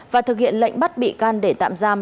và thực hiện lệnh bắt bị can để tạm giam